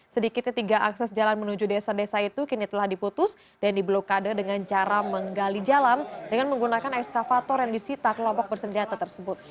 sedikitnya tiga akses jalan menuju desa desa itu kini telah diputus dan diblokade dengan cara menggali jalan dengan menggunakan ekskavator yang disita kelompok bersenjata tersebut